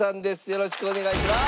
よろしくお願いします。